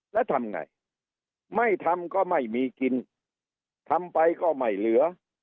แล้วทำไงไม่ทำก็ไม่มีกินทำไปก็ไม่เหลือ